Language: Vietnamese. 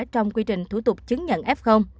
trong quy trình thủ tục chứng nhận f